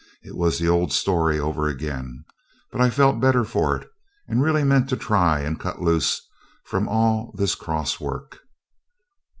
It was the old story over again; but I felt better for it, and really meant to try and cut loose from all this cross work.